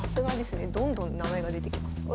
どんどん名前が出てきます。